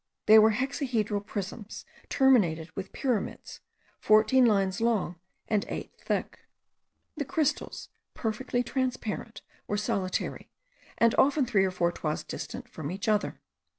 They were hexahedral prisms, terminated with pyramids, fourteen lines long and eight thick. The crystals, perfectly transparent, were solitary, and often three or four toises distant from each other.